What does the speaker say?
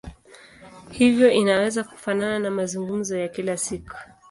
Hivyo inaweza kufanana na mazungumzo ya kila siku.